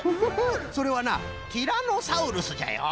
それはなティラノサウルスじゃよ。